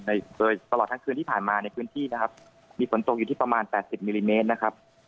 โดยตลอดทั้งคืนที่ผ่านมาในพื้นที่นะครับมีฝนตกอยู่ที่ประมาณ๘๐มิลลิเมตรนะครับ